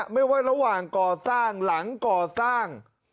ไม่ว่าระหว่างก่อสร้างหลังก่อสร้าง